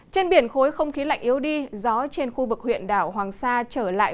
trên biển khối không khí lạnh yếu đi gió trên khu vực huyện đảo hoàng sa trở lại